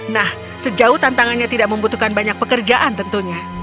nah sejauh tantangannya tidak membutuhkan banyak pekerjaan tentunya